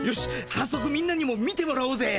さっそくみんなにも見てもらおうぜ。